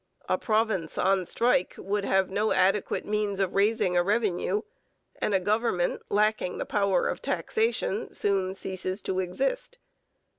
A province 'on strike' would have no adequate means of raising a revenue, and a government lacking the power of taxation soon ceases to exist.